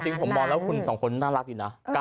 จริงผมมองแล้วคุณสองคนน่ารักดีนะ